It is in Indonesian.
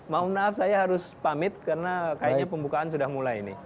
mohon maaf saya harus pamit karena kayaknya pembukaan sudah mulai ini